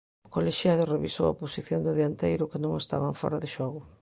O colexiado revisou a posición do dianteiro que non estaba en fóra de xogo.